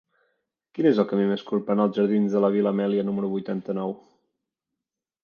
Quin és el camí més curt per anar als jardins de la Vil·la Amèlia número vuitanta-nou?